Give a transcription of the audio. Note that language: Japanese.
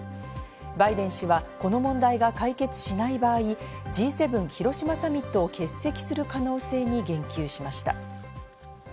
バイデン氏はこの問題が解決しない場合、Ｇ７広島サミットを欠席する可能性に言及しました。